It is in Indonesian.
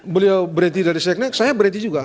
beliau berhenti dari seknek saya berhenti juga